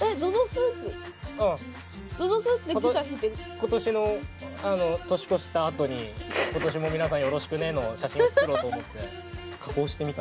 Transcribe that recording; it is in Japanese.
今年の年越したあとに「今年も皆さんよろしくね」の写真を作ろうと思って加工してみた。